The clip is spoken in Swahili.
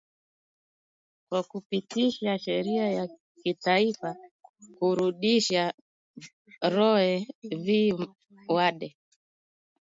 kwa kupitisha sheria ya kitaifa kurudisha Roe V Wade